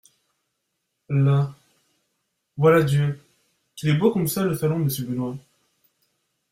Là … voilà Dieu ! qu'il est beau comme ça le salon de Monsieur Benoît !